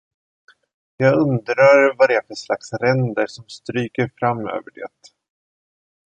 Jag undrar var det är för slags ränder, som stryker fram över det.